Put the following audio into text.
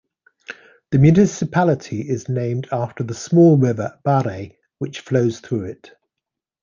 The municipality is named after the small river Bahre which flows through it.